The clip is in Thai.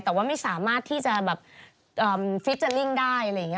แต่ว่าไม่สามารถที่จะแบบฟิเจอร์ลิ่งได้อะไรอย่างนี้